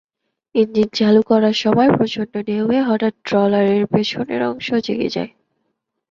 Engine চালু করার সময় প্রচণ্ড ঢেউয়ে হঠাৎ ট্রলারের পেছনের অংশ জেগে যায়।